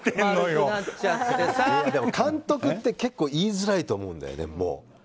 監督って結構言いづらいと思うんだよね、もう。